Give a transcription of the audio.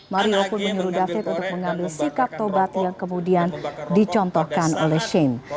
mario pun menyuruh david untuk mengambil sikap tobat yang kemudian dicontohkan oleh shane